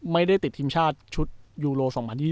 ไม่ได้ติดทีมชาติชุดยูโร๒๐๒๐